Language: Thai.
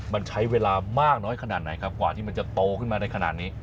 มันใช้เวลามากน้อยขนาดไหนครับกว่าที่มันจะโตขึ้นมาได้ขนาดนี้